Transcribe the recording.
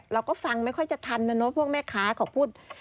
เราก็ฟังไม่ค่อยจะทันนะเนอะพวกแม่ค้าเขาพูด